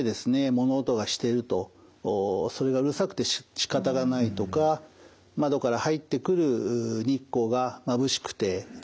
物音がしてるとそれがうるさくてしかたがないとか窓から入ってくる日光がまぶしくてつらい。